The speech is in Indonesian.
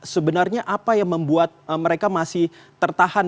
sebenarnya apa yang membuat mereka masih tertahan